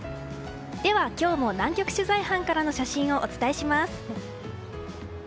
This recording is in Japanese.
では、今日も南極取材班からの写真をお伝えします。